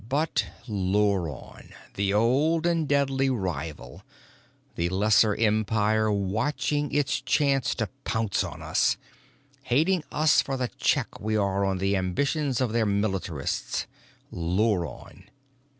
But Luron the old and deadly rival, the lesser empire watching its chance to pounce on us, hating us for the check we are on the ambitions of their militarists, Luron.